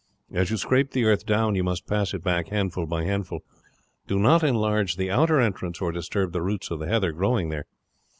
As you scrape the earth down you must past it back handful by handful. Do not enlarge the outer entrance or disturb the roots of the heather growing there.